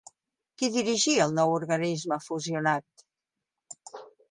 Qui dirigia el nou organisme fusionat?